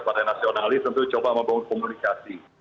partai nasionalis tentu coba membangun komunikasi